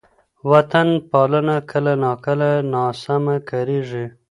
وطن پالنه کله ناکله ناسمه کارېږي.